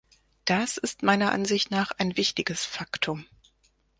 Das ist meiner Ansicht nach ein wichtiges Faktum.